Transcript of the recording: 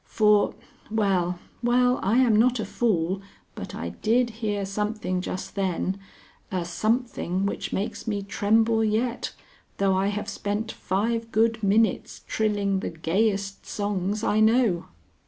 For Well, well, I am not a fool, but I did hear something just then, a something which makes me tremble yet, though I have spent five good minutes trilling the gayest songs I know.